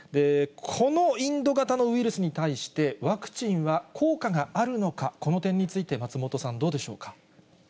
このインド型のウイルスに対して、ワクチンは効果があるのか、この点について、松本さん、どうでしょうか。